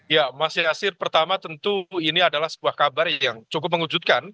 ya mas yaasir pertama tentu ini adalah sebuah kabar yang cukup mengejutkan